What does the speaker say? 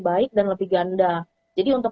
baik dan lebih ganda jadi untuk